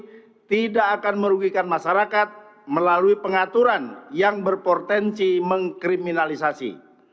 ini tidak akan merugikan masyarakat melalui pengaturan yang berpotensi mengkriminalisasi